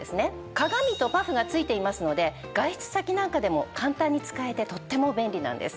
鏡とパフがついていますので外出先なんかでも簡単に使えてとっても便利なんです。